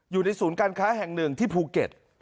อยู่ในศูนย์การค้าแห่งหนึ่งที่ภูเก็ต